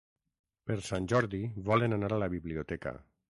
Per Sant Jordi volen anar a la biblioteca.